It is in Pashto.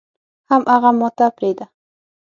حم اغه ماته پرېده.